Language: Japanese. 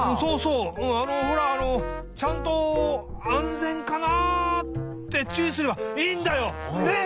うんあのほらあのちゃんと安全かな？ってちゅういすればいいんだよ！ねえ？